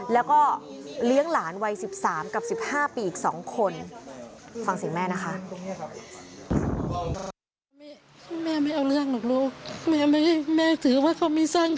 แล้วก็เลี้ยงหลานวัย๑๓กับ๑๕ปีอีก๒คน